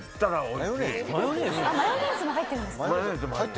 マヨネーズも入ってるんですか。